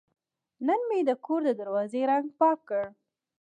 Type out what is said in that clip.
نن مې د کور د دروازې رنګ پاک کړ.